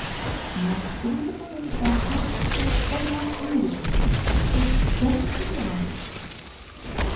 Now, the reasonableness of that must strike everyone imme ) diately. It ' jumps to the eyes.'